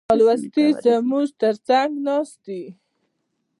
نالوستي زموږ تر څنګ ناست دي.